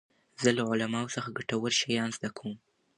زه له علماوو څخه ګټور شیان زده کوم.